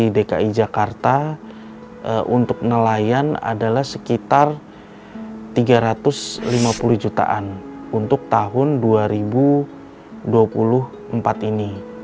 di dki jakarta untuk nelayan adalah sekitar tiga ratus lima puluh jutaan untuk tahun dua ribu dua puluh empat ini